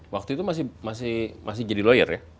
waktu itu masih jadi lawyer ya